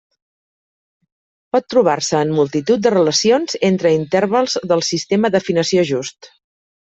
Pot trobar-se en multitud de relacions entre intervals del sistema d'afinació just.